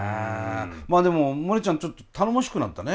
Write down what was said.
まあでもモネちゃんちょっと頼もしくなったね。